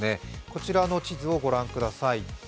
こちらの地図をご覧ください。